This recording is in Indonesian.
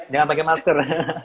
jangan pakai masker